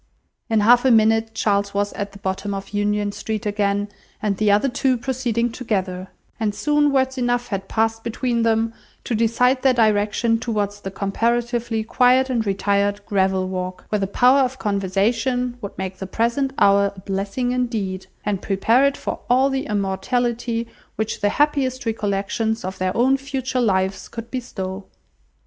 In half a minute Charles was at the bottom of Union Street again, and the other two proceeding together: and soon words enough had passed between them to decide their direction towards the comparatively quiet and retired gravel walk, where the power of conversation would make the present hour a blessing indeed, and prepare it for all the immortality which the happiest recollections of their own future lives could bestow.